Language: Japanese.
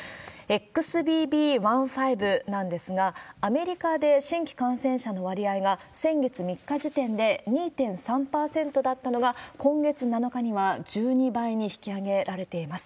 ＸＢＢ．１．５なんですが、アメリカで新規感染者の割合が、先月３日時点で２．３％だったのが、今月７日には１２倍に引き上げられています。